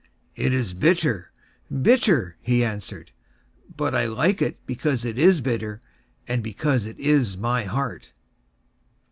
"It is bitter bitter," he answered; "But I like it Because it is bitter, And because it is my heart."